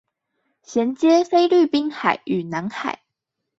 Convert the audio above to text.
銜接菲律賓海與南海